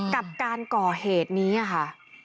กับการก่อเหตุนี้ค่ะ